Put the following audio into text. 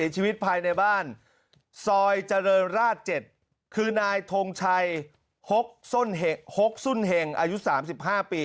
ใช่ครับ